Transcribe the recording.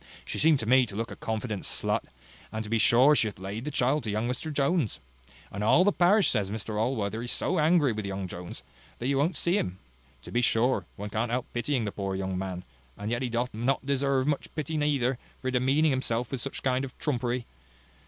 She seemed to me to look like a confident slut: and to be sure she hath laid the child to young Mr Jones. And all the parish says Mr Allworthy is so angry with young Mr Jones, that he won't see him. To be sure, one can't help pitying the poor young man, and yet he doth not deserve much pity neither, for demeaning himself with such kind of trumpery.